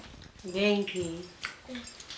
元気！